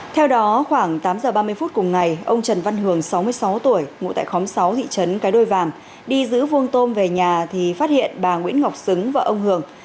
theo đó khoảng tám giờ ba mươi phút cùng ngày ông trần văn hường sáu mươi sáu tuổi ngụ tại khóm sáu thị trấn cái đôi vàm đi giữ vuông tôm về nhà thì phát hiện bà nguyễn ngọc xứng và ông hường